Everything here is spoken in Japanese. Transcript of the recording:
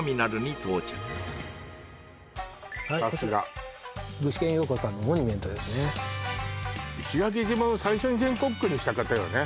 さすが具志堅用高さんのモニュメントですね石垣島を最初に全国区にした方よね